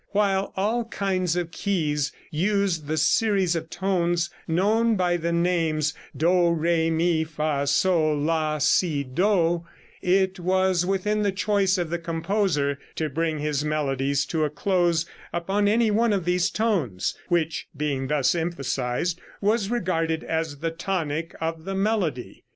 While all kinds of keys used the series of tones known by the names do, re, mi, fa, so, la, si, do, it was within the choice of the composer to bring his melodies to a close upon any one of these tones, which, being thus emphasized, was regarded as the tonic of the melody.